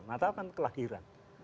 natal kan kelahiran